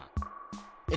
えっ！